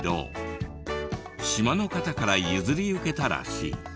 島の方から譲り受けたらしい。